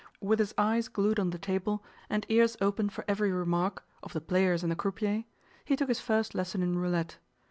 With his eyes glued on the table, and ears open for every remark, of the players and the croupier, he took his first lesson in roulette.